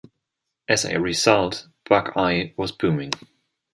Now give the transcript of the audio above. As a result, Buckeye was booming.